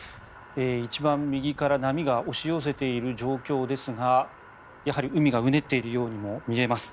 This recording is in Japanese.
一番右から波が押し寄せている状況ですがやはり海がうねっているようにも見えます。